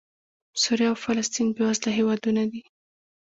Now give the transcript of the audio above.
سوریه او فلسطین بېوزله هېوادونه دي.